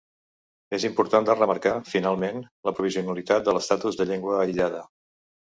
És important de remarcar, finalment, la provisionalitat de l'estatus de llengua aïllada.